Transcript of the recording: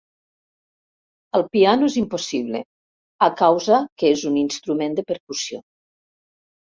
Al piano és impossible a causa que és un instrument de percussió.